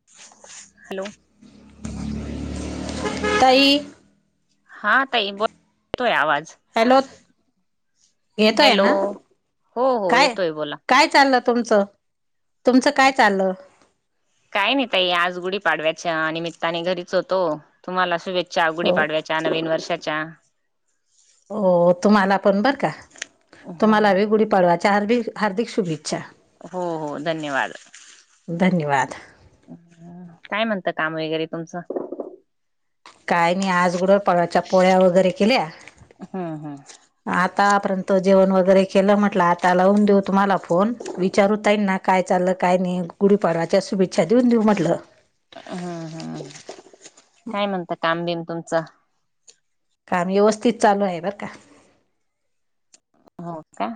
Hello. ताई. हा ताई बोल, येतोय आवाज. हॅलो येतोय हॅलो ना, हो हो काय येतोय बोला काय चाललं. तुमच, तुमचं काय चाललं. काय नाही ताई, आज गुढी पाडव्याच्या निमित्ताने घरीच होतो. तुम्हाला शुभेच्छा च्या हो गुढीपाडव्याच्या नवीन वर्षाच्या हो, तुम्हाला पण बर का, तुम्हाला बी हो गुढीपाडव्या च्या हार्बिक हार्दिक शुभेच्छा. हो हो, धन्यवाद. धन्यवाद. काय म्हणत काम वगैरे तुमचं? काय नाही, आज गुढपाडव्याच्या पोळ्या वगैरे केल्या. हम्म हम्म. आतापर्यंत जेवण वगैरे केलं, म्हंटलं आता लावून देऊ तुम्हाला फोन, विचारू ताईंना काय चाल काय नाही, गुढीपाडवाच्या शुभेच्छा देऊन देऊ म्हटलं. हम्म, हम्म, काय म्हणतं काम बिम तुमचं? काम व्यवस्थित चालू आहे बर का. हो का?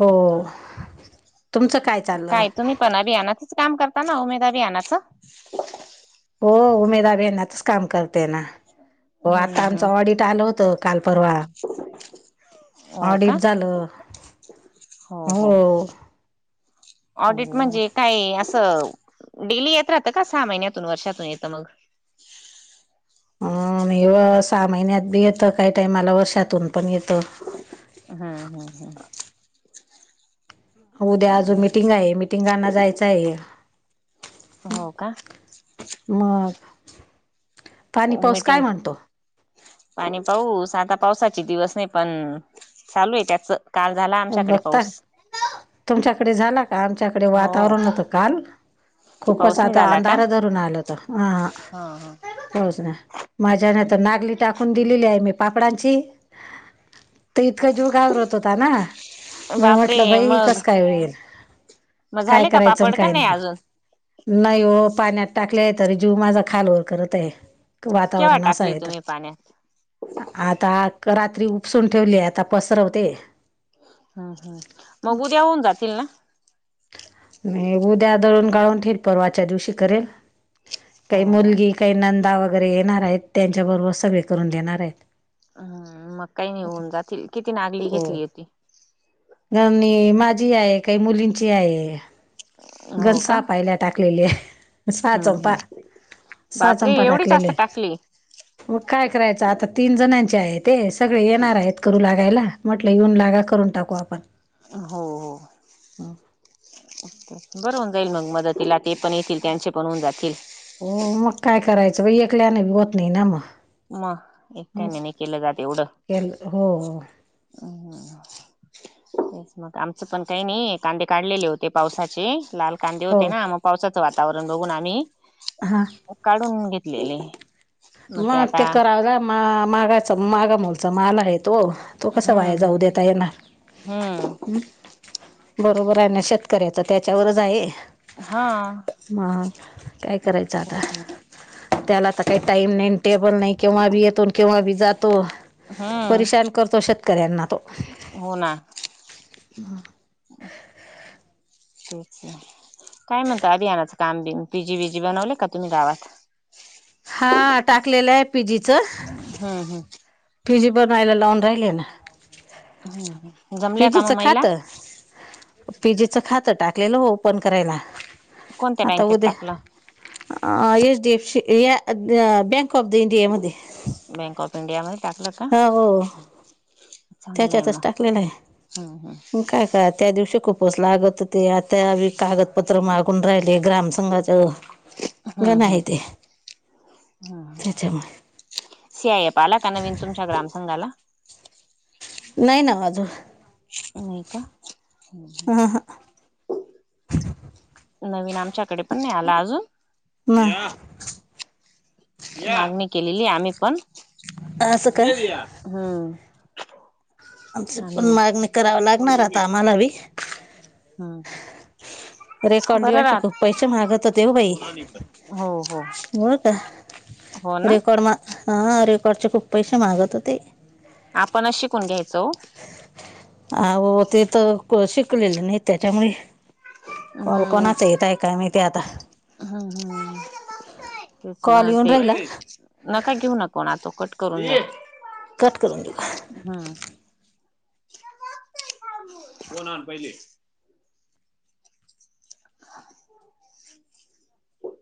हो, तुमचं काय चाललं? तुम्ही पण अभियानाचच काम करताना उमेद अभियानाच? हो, उमेद अभियानाचच काम करते ना, हो, हम्म आता आमचं हम्म ऑडिट आलं होतं. काल परवा. हो का ऑडिट झालं, हो. ऑडिट हो म्हणजे? काय असं डेली येत राहतं का, सहा महिन्यातून वर्षातून येतं मग? उम्म, नाही व सहा महिन्यात बी येतं, काही टायमाला वर्षातून पण येतं. हम्म, हम्म, हम्म. उद्या अजून मिटिंग आहे, मिटिंगांना जायचं आहे. हो का? मग. पाणी उ पाऊस काय मीटिंग. म्हणतो पाणी पाऊस, आता पावसाचे दिवस नाही, पण चालू आहे त्याचं. बघता तुमच्याकडे झाला का? आमच्याकडे हो वातावरण होतं काल खूपच पाऊस नाही आता झाला का अंधार धरून आलं होतं, अहा, हा हा पोहच ना. माझ्याने तर नागली टाकून दिलेली आहे, मी पापडांची. तर इतका जीव घाबरत होता ना, मी बापरे म्हटलं बाई मग कसं काय होईल? मग काय झाले का करायचं आणि पापड का काय नाही. अजून नाही ओ, पाण्यात टाकले तरी जीव माझा खालवर करत आहे. केव्हा वातावरण असं टाकली आहे तर. तुम्ही पाण्यात आता रात्री उपसून ठेवले, आता पसरवते. हम्म, हम्म, मग उद्या होऊन जातील ना. मी उद्या दळून गाळून ठेइल, परवाच्या दिवशी करेल. काही हो हो मुलगी, काही नंदा, वगैरे येणार आहेत, त्यांच्या बरोबर सगळे करून देणार आहेत. हम्म, मग काही नाही होऊन जातील, किती नागली घेतली होती? घमणी माझी आहे, काही मुलींची आहे. हो गंज का सहा पायल्या टाकलेली आहे, सहा हम्म हम्म चंपा. सहा बापरे चंपा एवढी टाकलेले. जास्त टाकली मग काय करायचं आता, तीन जणांचे आहे ते, सगळे येणार आहेत. करू लागायला, म्हटलं, येऊन लागा, करून टाकू आपण. हो हो. बरं होऊन जाईल मग मदतीला,, ते पण येतील त्यांचे पण होऊन जातील. हो मग काय करायचं बाई, ऐकल्यानी होत नाही ना मग. मग, एकट्याने असं नाही केलं जात एवढं. केलं हो हो. हम्म [inaudible] ते मग आमचं पण काही नाही, कांदे काढलेले होते पावसाचे, लाल कांदे हो होते ना, मग पावसाचं वातावरण बघून आम्ही हा. काढून घेतलेले. मग ते कराव जा मा मागाच मागा मुलचा माल आहे तो,, तो कसं व्हाया हम्म जाऊ देत. तयांना. हम्म. हम्म, बरोबर आहे ना शेतकऱ्याच त्याच्यावरच आहे. हा. मग काय करायचं आता, तेच त्याला आता काही टाईम नाही टेबल नाही, केव्हा बी येतो न केव्हा बी जातो, हम्म परेशान करतो शेतकऱ्यांना तो. हो ना. [inaudible] काय म्हणता आधी आणायचं काम बिम,, पीजी विजी बनवले का तुम्ही गावात? हा टाकलेलं आहे पिजीचं हं हं फिजी पण अयला लाऊन राहिले ना हम्म. फिजिच खातं फिजिच खातं टाकलेलं हो ओपन करायला.. कोणत्या आता बँकेत उद्या टाकलं अँ.. एच डी एफ सी या बँक ऑफ द इंडिया मध्ये बँक ऑफ इंडिया मध्ये टाकलं का हा हो.. चांगलंय त्याच्यातच मग टाकलेलं आहे.. हम्म म काय हा त्या दिवशी खूपच लागत होती, आता कागत पत्र मागून राहिले ग्रामसंघाच.. हम्म गण आहे हम्म ते. त्याच्यामुळे सीआय एफ आला का नवीन तुमच्या ग्रामसंंघाला? नाही ना आजू नाई का. ह ह नवीन आमच्याकडे पण नाही आला अजून.. ना दिया दिया.. मागणी केलेलीय आम्हीपण.. असं का ऐ दिया हम्म. आमच्यात पण आणि मागणी कराव लागणार आता आम्हाला बी हम्म. रेकॉर्ड बरं लिवायचे खूप राहत पैसे मागत होतेव बाई.. हो हो हो का. हो ना रेकॉर्ड मा.. हा रेकॉर्डचे खूप पैसे मागत होते. आपणच शिकून घ्यायचो ओ अहो.. ते तर शिकलेले नाहीत त्याच्यामुळे कॉल हम्म कोणाचा येत आहे काय माहिती आता हम्म हम्म तेच ना कॉल येऊन ते,, राहिला नका घेऊन कोणा तो कट करून घ्या कट करून देऊ हा दोन आण पहिले हो [unintelligible]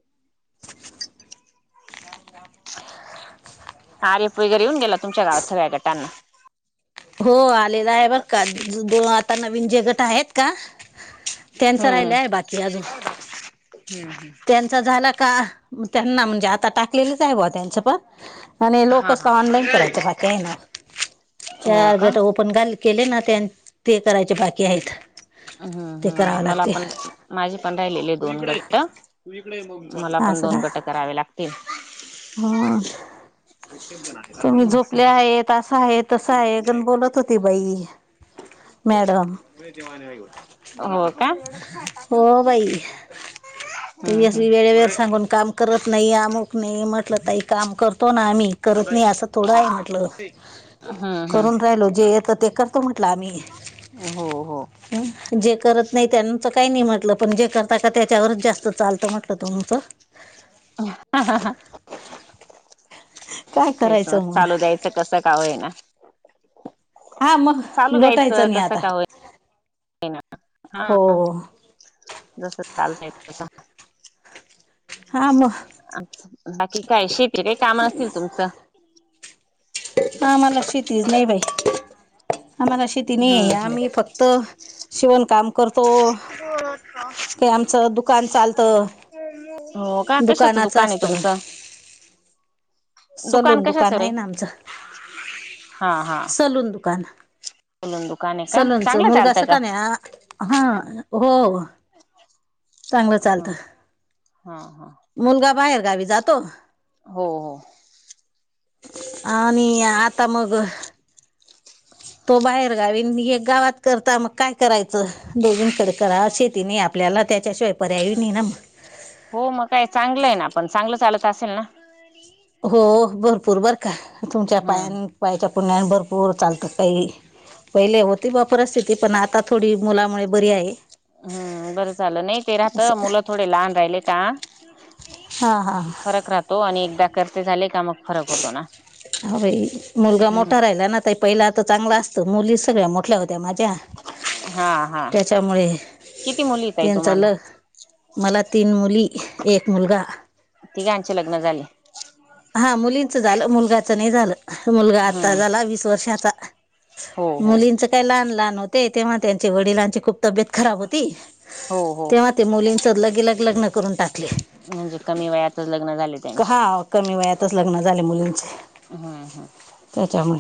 आर फ वगैरे येऊन गेला तुमच्या गावात सगळ्या गटांना हो आलेला आहे बर का दोन आता नवीन जे गट आहेत का त्याचं हम्म. राहिलाय आहे बाकी अजुन हम्म हम्म. त्यां च झालं का त्यांना म्हणजे आता टाकलेलंच आहे बुवा त्यांच पण आणि हा हा. लोकसं ऑनलाईन करायचं बाकी आहे ना हो चार का? गट ओपन झाले केले ना त्यान ते करायचे बाकी आहेत. ह ते करावं ह मला लागते पण माझे पण राहिलेले आहे दोन गट्ट तु इकडं ये मला पण दोन गट करावे लागतील हा.. असं. तुम्ही झोपले आहेत असं आहे तसं आहे गण बोलत होती बाई मॅडम हो का [unintelligible] हम्म हम्म. वेळेवेर सांगून काम करत नाही अमुक नाही म्हटलं तई काम करतो ना आम्ही करत नाही असं थोडं आहे म्हटलं. हम्म हम्म. करून राहीलो जे येत ते कर करतो म्हंटला आम्ही हो हो जे करत नाही त्यांचं काही नाही म्हटलं पण जे करता ते का त्याच्यावरच जास्त असं चालत म्हटल तुमच हा हा हा. काय तेच मग करायचं चालू द्यायच कस का होईना हा मग चालू द्यायचं लोटायचं नाही कस आता का होय हा हो जस चालतय तस हा म अच्छा बाकी काय शेती रे काम न असतील तुमचं? आम्हाला शेतीच नाही बाई आम्हाला शेती नाही हम्म आहे हम्म आम्ही फक्त शिवणकाम करतो ते आमचं दुकान चालत हो का. कशाचं दुकान आहे तुमचं? सलून दुकान आहे ना आमचं सलून दुकान. सलून दु. सलूनच मुलगा अस का नाही हा हो. चांगलं हम्म चालतं हम्म हम्म हम्म. मुलगा बाहेर गावी जातो. हो हो. आणि आता मग. तो बाहेर गावीन एक गावात करता मग काय करायचं दोघींकडे करा शेती नाही अॅप. आपल्याला त्याच्याशिवाय पर्याय नाही ना मग. हो मग काय चांगलं आहे ना. पण चांगलं चालत असेल ना? हो भरपूर बर का तुमच्या हम्म पायान पायाच्या कण्या भरपूर चालतात काही. पहिले होती बा परिस्थिती पण आता थोडी मुलामुळे बरी आहे. हम्म बरं झालं नाही ते राहत असं मुलं थोडे लहान राहिले का. हा हा. तो आणि एकदा कळते झाले का मग फरक होतो ना. हा बाई. मुलगा हम्म मोठा राहिला ना ताई पहिला आता चांगला असतं. मुलीच सगळ्या मोठ्या होत्या माझ्या. [unintelligible] हा हा. त्यामुळे किती मुली ताई त्यांनचल तुम्हाला मला तीन मुली. एक मुलगा. तिघांची लग्न झाले. हा मुलींचं झालं. मुलगाचं नाही झालं. मुलगा आता हम्म झाला वीस वर्षाचा. हो हो मुलींच काय लहान लहान होते. तेव्हा त्यांचे वडिलांचे खूप तब्येत खराब होती. हो हो तेव्हा ते मुलींच लगेलग लग्न करून टाकले. म्हणजे कमी वयातच लग्न झाले त्यांचे. हा कमी वयातच लग्न झाले मुलींचे. हा हा. त्याच्यामुळ.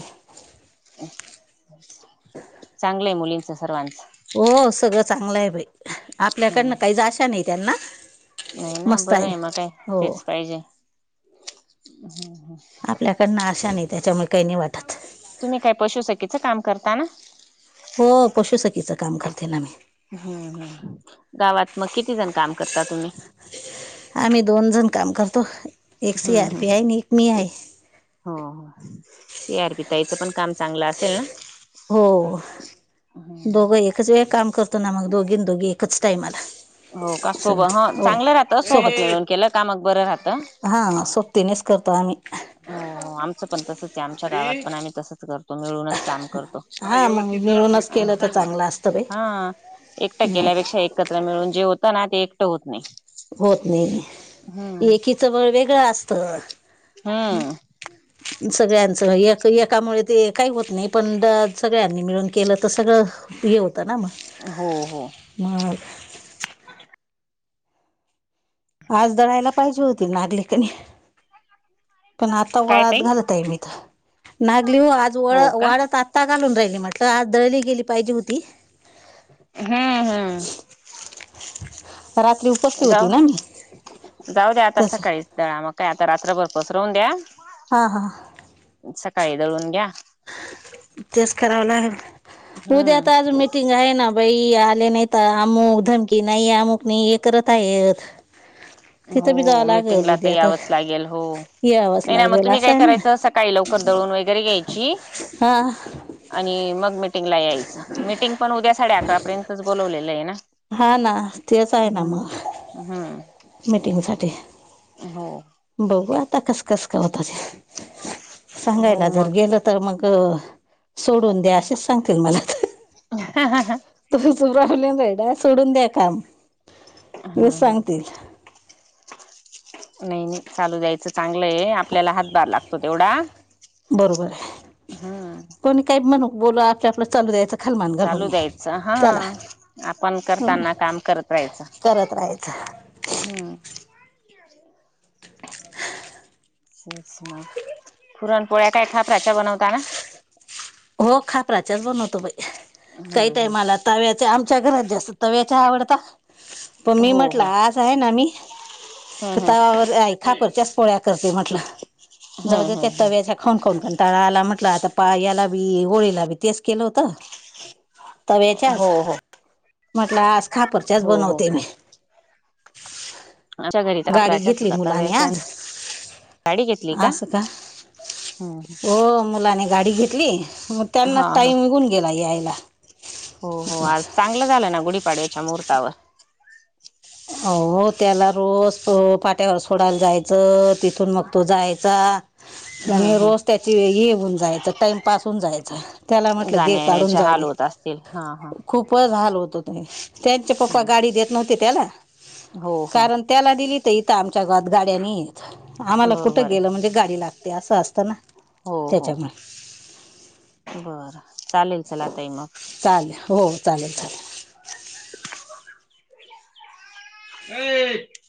चांगलंय मुलींच सर्वाच. हो. सगळं चांगलं आहे बाई. हम्म आपल्याकडनं काहीच आशा नाही त्यांना. नाही ना. बरं आहे मग काय हो तेच पाहिजे. त्यांना आशा नाही. त्याच्यामुळे काही नाही वाटत. तुम्ही काय पशुसकीचं काम करताना? हो. पशुसखीचं काम करते ना मी. हम्म हम्म. गावात मग किती जण काम करता तुम्ही? आम्ही दोन जण काम करतो. एक C hmm R hmm. P आहे आणि एक मी आहे हो हो. सी आर पि ताईचं पण काम चांगलं असेल ना? हो. दोघं एकच वेळ काम करतो ना मग. दोघ दोघी एकच टाईमला. हो का. सोब चांगलं राहतं सोबत मिळून केलं का मग बरं राहतं. हा सोबतीनेच करतो आम्ही. हो हो. आमचं पण तसच आहे. आमच्या गावात पण आम्ही तसच कर तो मिळूनच काम करतो. जरा हा मग व्यवस्थित जरा सोई मिळूनच केलं सोयीनं तर सांग ना र. चांगलं असतं बाई हा एकटं हं केल्यापेक्षा एकत्र मिळून जे होत ना ते एकटं होत नाही. होत नाही. हम्म एकीचं बळ वेगळं असत. हम्म. [unintelligible] सगळ्यांचं एक एकामुळे ते काही होत नाही. पण द सगळ्यांनी मिळून केलं तर सगळं हे होतं ना मग. हो हो. मग. आज दळायला पाहिजे होती. नागली की नाही. पण आता का काय वाळत ताई घालत आहे मी इथ नागली. हो आज वळ हो का? वाळत आ ता घालून राहिली म्हटलं, आज दळली गेली पाहिजे होती. हम्म हम्म. रात्री उपसली होती जाऊ. ना मी जाऊ द्या आता त्याच सकाळीच. दळा मग काय आता रात्रभर पसरवून द्या. हा हा. सकाळी दळून घ्या. तेच करावं लागेल. उद्या हम्म आता आज मीटिंग काय आहे ना बाई. आले नाहीता अमुक धमकी नाही अमुक नाही हे करत आहे. तिथं बी जावं हो लागल मीटिंगला तर उद्या आता यावंच लागेल हो. नाही नाही मग तुम्ही काय करायचं सकाळी लवकर दळून वगैरे घ्यायची. हा आणि मग मिटिंगला यायचं मिटिंग पण उद्या साडे अकरा पर्यंतच बोलवलेलं आहे ना? हा तेच ना हम्म. मग हम्म मीटिंगसाठी हो बघू आता कस कस का होत ते हो सांगायला जर मग गेलं तर मग सोडून द्या असेच सांगतील मला हा हा हा तुमच प्रॉब्लेम आहे ना सोडून द्या काम हा हे हा सांगतील नाही नाही चालू द्यायचं चांगलंय आपल्याला हातभार लागतो तेवढा बरोबर आहे हम्म. कोणी काही म्हणू बोल आपल्या आपलं चालू द्यायचं खालमान चालू घालून द्यायचं हा चला आपण करताना काम करत राहायचं. करत राहायचं हम्म. असच मग पुरणपोळ्या काय खथापराच्या बनवताना? हो खापराच्याच बनवतो बाई हम्म काही हम्म. टाइम आला तव्याच्या आमच्या घरात जास्त तव्याच्या आवडता पण मी हो म्हटलं हो आज आहे ना मी हम्म हम्म. तावावर खापरच्या पोळ्या करते म्हटलं जाऊ हम्म द्या त्या हम्म तव्याच्या खाऊन खाऊन कंटाळा आला म्हटलं आता पा याला बी होळीला बी तेच केलं होत. हो तव्याच्याच हो म्हटलं आज खापरच्याच हो हो बनवते मी आमच्या घरी गाडी खापराच्याच घेतली मुलाने तव्याच्या आज गाडी घेतली असं का. हम्म हो मुलाने गाडी घेतली ती मग त्यांना हा हा टाईम निघून गेला यायला हो हो आज चांगलं झालं ना गुढीपाडव्याच्या मुहूर्तावर. हो त्याला रोज पाट्यावर सोडायला तिथं मग तो जायचा हम्म आणि रोज हम्म त्याची हे होऊन जायचं टाइमपास होऊन जायचं त्याला म्हटलं घे जाण्या काढून येण्याचे जाऊ हाल दे. होत असतील हा हा खूपचं हाल होत हो ते त्यांचे पप्पा गाडी देत नव्हते त्याला हो हो कारण त्याला दिली तर इथं आमच्या गावात गाड्यानी नाहीत. आम्हाला कुठं बरोबर आहे गेलं म्हणजे गाडी लागते असं असतं ना हो हो त्याच्यामुळे बर चालेल चला ताई मग चालेल हो चालेल चालेल ये?